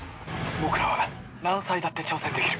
僕らは何歳だって挑戦できる。